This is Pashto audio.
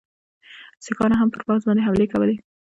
سیکهانو هم پر پوځ باندي حملې کولې.